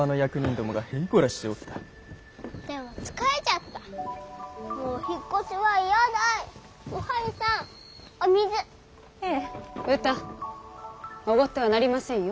驕ってはなりませんよ。